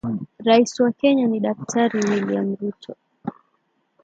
Rais wa Kenya ni daktari William ruto